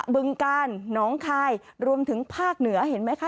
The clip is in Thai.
บึงกาลน้องคายรวมถึงภาคเหนือเห็นไหมคะ